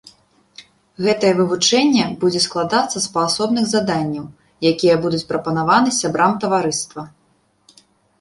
Гэтае вывучэнне будзе складацца з паасобных заданняў, якія будуць прапанаваны сябрам таварыства.